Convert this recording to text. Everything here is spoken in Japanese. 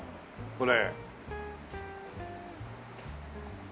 これ。